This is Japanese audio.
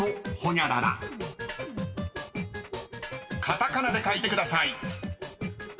［カタカナで書いてください］